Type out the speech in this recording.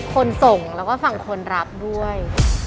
ส่งแล้วก็ฝั่งคนรับด้วย